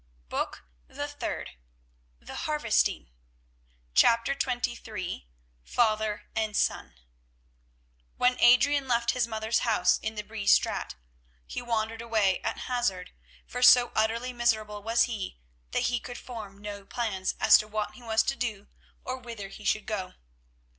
BOOK THE THIRD THE HARVESTING CHAPTER XXIII FATHER AND SON When Adrian left his mother's house in the Bree Straat he wandered away at hazard, for so utterly miserable was he that he could form no plans as to what he was to do or whither he should go.